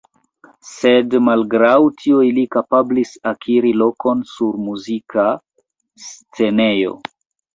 Sed malgraŭ tio ili kapablis akiri lokon sur muzika scenejo.